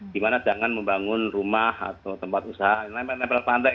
di mana jangan membangun rumah atau tempat usaha yang nempel nempel pantai